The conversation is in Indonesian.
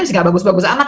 masih gak bagus bagus amat